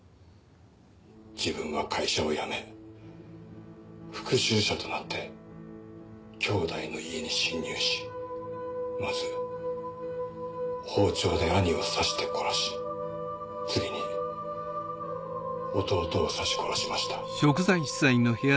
自分は会社を辞め復讐者となって兄弟の家に侵入しまず包丁で兄を刺して殺し次に弟を刺し殺しました。